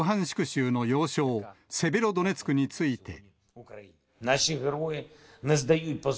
州の要衝、セベロドネツクについて。